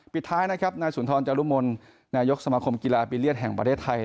ปิดท้ายนะครับนายสุนทรจารุมลนายกสมาคมกีฬาปีเลียนแห่งประเทศไทย